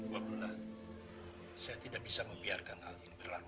pak abdullah saya tidak bisa membiarkan hal ini berlalu lalu